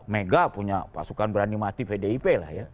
mega punya pasukan berani mati pdip lah ya